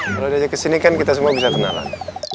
kalau di ajak kesini kan kita semua bisa kenalan